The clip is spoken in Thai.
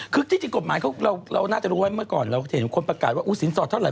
คือที่จริงกฎหมายเราน่าจะรู้ไว้เมื่อก่อนเราเห็นคนประกาศว่าสินสอดเท่าไ